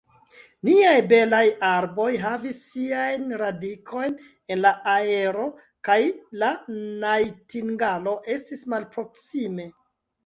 Niaj belaj arboj havis siajn radikojn en la aero, kaj la najtingalo estis malproksime.